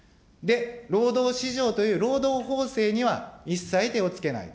労働市場という労働法制には一切手をつけないと。